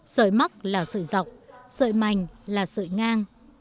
sợi móc là sợi dọc sợi mảnh là sợi ngang